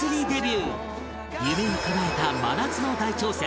夢を叶えた真夏の大挑戦！